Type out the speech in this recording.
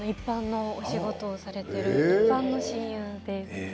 一般のお仕事をされている親友です。